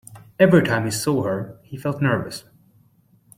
Every time he saw her, he felt nervous.